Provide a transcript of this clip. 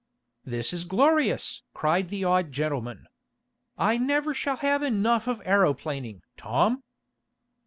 "This is glorious!" cried the odd gentleman. "I never shall have enough of aeroplaning, Tom!"